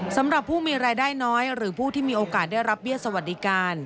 สำหรับผู้มีรายได้น้อยหรือผู้ที่มีโอกาสได้รับเบี้ยสวัสดิการ